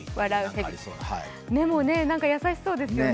目も優しそうですよね。